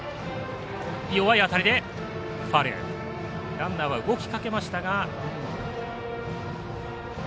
ランナーは動きかけましたが。